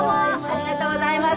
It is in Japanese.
ありがとうございます。